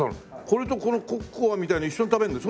これとこのココアみたいの一緒に食べるの？